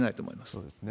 そうですね。